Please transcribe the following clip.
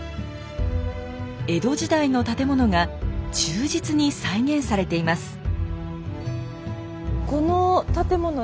江戸時代の建物が忠実に再現されています。